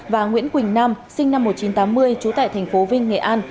và nguyễn quỳnh nam sinh năm một nghìn chín trăm tám mươi trú tại thành phố vinh nghệ an